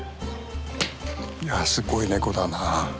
いやすごいネコだな。